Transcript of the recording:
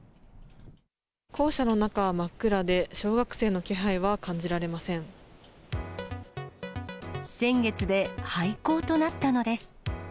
校舎の中は真っ暗で、小学生先月で廃校となったのです。